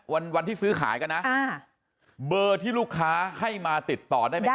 วันที่ซื้อขายกันนะอ่าเบอร์ที่ลูกค้าให้มาติดต่อได้ไหมครับ